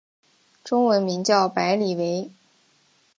中文名叫白理惟。